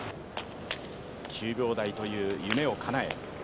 ９秒台という夢を叶え